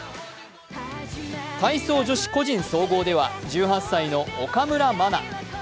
体操女子個人総合では１８歳の岡村真。